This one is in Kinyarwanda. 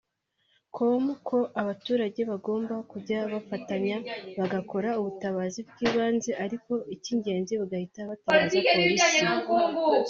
com ko abaturage bagomba kujya bafatanya bagakora ubutabazi bw’ibanze ariko icy'ingenzi bagahita batabaza polisi